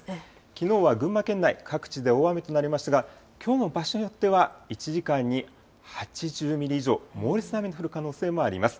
きのうは群馬県内、各地で大雨となりましたが、きょうも場所によっては１時間に８０ミリ以上、猛烈な雨が降る可能性があります。